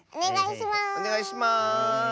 おねがいします！